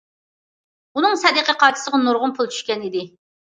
ئۇنىڭ سەدىقە قاچىسىغا نۇرغۇن پۇل چۈشكەن ئىدى.